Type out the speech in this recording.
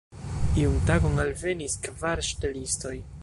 Iun tagon alvenis kvar ŝtelistoj.